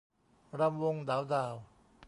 รำวงด๋าวด่าว